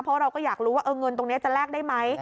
เพราะเราก็อยากรู้ว่าเงินตรงนี้จะแลกได้ไหม